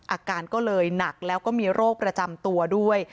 อาการก็เลยหนักแล้วก็มีโรคประจำตัวด้วย